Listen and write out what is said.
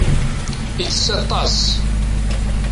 Itess aṭas.